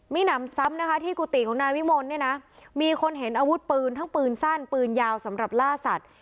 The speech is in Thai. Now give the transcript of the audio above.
มีหนำซ้ำนะคะที่กุฏิของนายวิมลเนี่ยนะมีคนเห็นอาวุธปืนทั้งปืนสั้นปืนยาวสำหรับล่าสัตว์